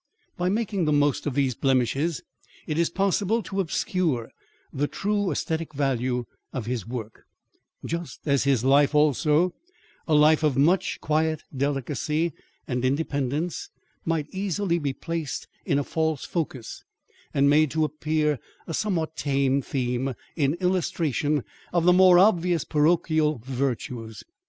By making the most of these blemishes it is possible to obscure the true aesthetic value of his work, just as his life also, a life of much quiet delicacy and independence, might easily be placed in a false focus, and made to appear a somewhat tame theme in illustration of the more obvious parochial virtues.